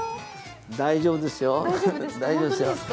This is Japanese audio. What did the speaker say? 大丈夫ですよ大丈夫ですよ。